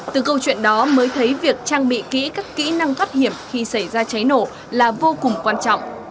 từ câu chuyện đó mới thấy việc trang bị kỹ các kỹ năng thoát hiểm khi xảy ra cháy nổ là vô cùng quan trọng